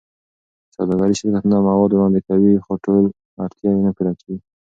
سوداګریز شرکتونه مواد وړاندې کوي، خو ټول اړتیاوې نه پوره کېږي.